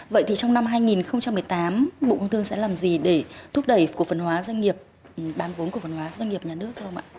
vậy thì trong năm hai nghìn một mươi tám bộ công thương sẽ làm gì để thúc đẩy cổ phần hóa doanh nghiệp bán vốn cổ phần hóa doanh nghiệp nhà nước thưa ông ạ